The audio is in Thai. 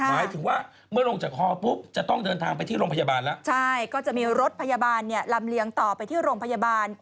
หมายถึงว่าเมื่อลงจากฮอปุ๊บจะต้องเดินทางไปที่โรงพยาบาลแล้วใช่ก็จะมีรถพยาบาลเนี่ยลำเลียงต่อไปที่โรงพยาบาล